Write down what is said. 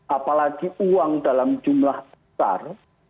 apalagi uang dalam jumlah besar